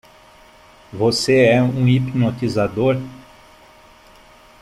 Você é um hipnotizador?